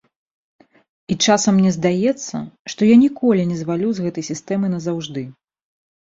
І часам мне здаецца, што я ніколі не звалю з гэтай сістэмы назаўжды.